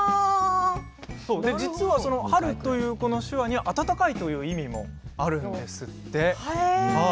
実は「春」という手話には「暖かい」という意味もあるんですって。